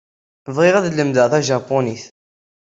Bɣiɣ ad lemdeɣ tajapunit.